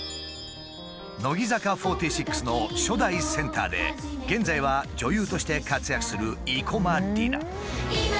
乃木坂４６の初代センターで現在は女優として活躍する生駒里奈。